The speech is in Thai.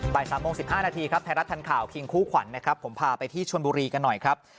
๓โมง๑๕นาทีครับไทยรัฐทันข่าวคิงคู่ขวัญนะครับผมพาไปที่ชนบุรีกันหน่อยครับ